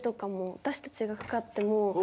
私たちがかかっても。